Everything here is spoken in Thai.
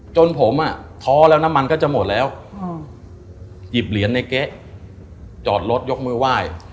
จนผมอ่ะท้อแล้วน้ำมันก็จะหมดแล้วหยิบเหรียญในเก๊ะจอดรถยกมือไหว้